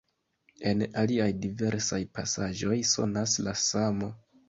En aliaj diversaj pasaĵoj sonas la samo.